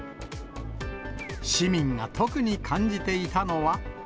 市民が特に感じていたのは。